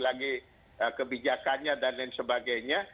lagi kebijakannya dan lain sebagainya